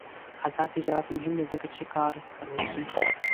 آزاد تجارت مهم دی ځکه چې کار روزي.